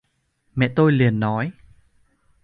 mẹ tôi liền nói